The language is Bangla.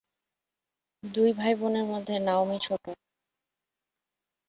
দুই ভাইবোনের মধ্যে নাওমি ছোট।